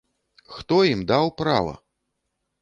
Хто ім даў права?